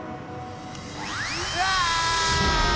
うわ！